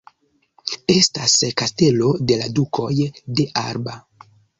Estas Kastelo de la Dukoj de Alba.